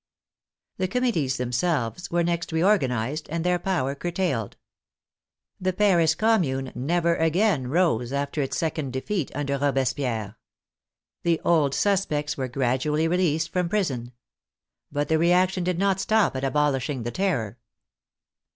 The Committees themselves were next reorganized and their power curtailed. The Paris Commune never again rose after its second defeat under Robespierre. The old suspects were gradually released from prison. But the reaction did not stop at abolishing the Terror.